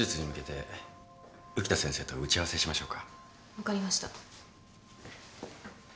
分かりました。